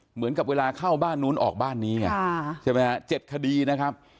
เหมือนกับเวลาเข้าบ้านนู้นออกบ้านนี้ไงใช่ไหมฮะ๗คดีนะครับ